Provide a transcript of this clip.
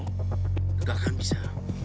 gak akan bisa